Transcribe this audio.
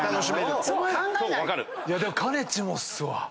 かねちもっすわ。